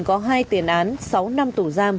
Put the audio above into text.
có hai tiền án sáu năm tù giam